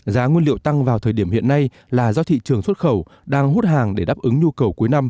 giá nguyên liệu tăng vào thời điểm hiện nay là do thị trường xuất khẩu đang hút hàng để đáp ứng nhu cầu cuối năm